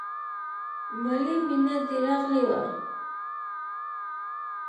مالې مينه دې راغلې وه.